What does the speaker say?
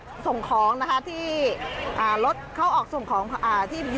รถของรถเข้าออกส่งของในจากนี้นะคะ